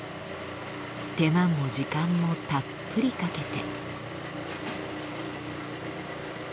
手間も時間もたっぷりかけて。